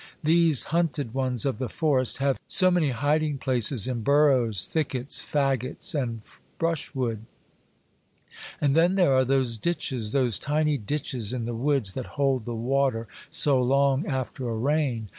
These hunted ones of the forest have so many hiding places in burrows, thickets, fagots, and brushwood ; and then there are those ditches, those tiny ditches in the woods, that hold the water so long after a rain.